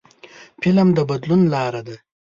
فلم د بدلون لاره ده